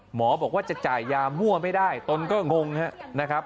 หมอบอกว่าจะจ่ายยามั่วไม่ได้ตนก็งงนะครับ